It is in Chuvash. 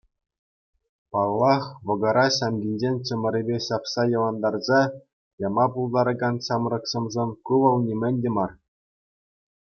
Паллах, вӑкӑра ҫамкинчен чӑмӑрӗпе ҫапса йӑвантарса яма пултаракан ҫамрӑксемшӗн ку вӑл нимӗн те мар.